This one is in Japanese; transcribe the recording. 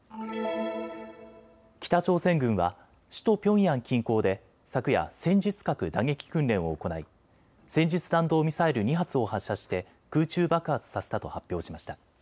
北朝鮮軍は首都ピョンヤン近郊で昨夜、戦術核打撃訓練を行い戦術弾道ミサイル２発を発射して空中爆発させたと発表しました。